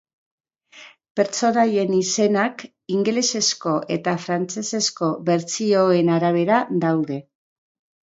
Pertsonaien izenak ingelesezko eta frantsesezko bertsioen arabera daude.